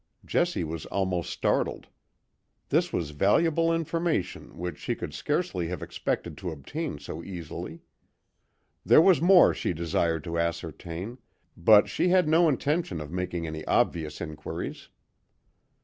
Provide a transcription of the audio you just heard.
Jessie was almost startled; this was valuable information which she could scarcely have expected to obtain so easily. There was more she desired to ascertain, but she had no intention of making any obvious inquiries.